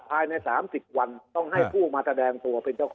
ภายใน๓๐วันต้องให้ผู้มาแสดงตัวเป็นเจ้าของ